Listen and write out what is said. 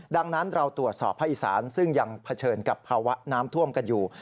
ดังนั้นเราตรวจสอบภาคอีสานซึ่งยังเผชิญกับภาวะน้ำท่วมกันอยู่